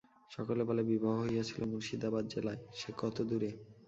সকলে বলে বিবাহ হইয়াছিল মুর্শিদাবাদ জেলায় -সে কতদূরে?